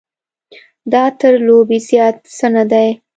دا تر لوبې زیات څه نه دی.